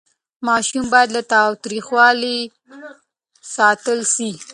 ماشومان باید له تاوتریخوالي ساتل سي.